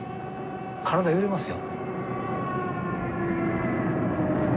体揺れますよ。